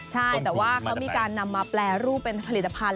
ใช่แต่ว่าเขามีการนำมาแปรรูปเป็นผลิตภัณฑ